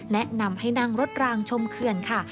และนำให้นั่งรถรางชมเขื่อนค่ะ